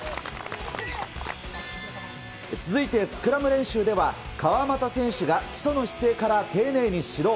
続いてスクラム練習では、川俣選手が基礎の姿勢から丁寧に指導。